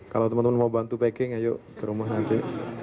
kalau teman teman mau bantu packing ayo ke rumah nanti